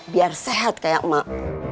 biar sehat kayak emak